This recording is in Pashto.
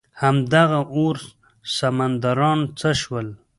دهمغه اور سمندران څه شول؟